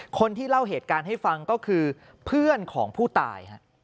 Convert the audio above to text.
คนที่เล่าเหตุการณ์ให้ฟังก็คือเพื่อนของผู้ตาย